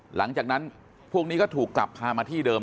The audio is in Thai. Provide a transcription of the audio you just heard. หลังจากนั้นพวกนี้ก็ถูกกลับพามาที่เดิม